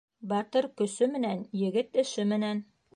Батыр көсө менән, егет эше менән.